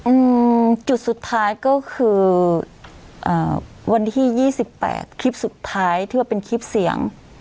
อืมจุดสุดท้ายก็คืออ่าวันที่ยี่สิบแปดคลิปสุดท้ายที่ว่าเป็นคลิปเสียง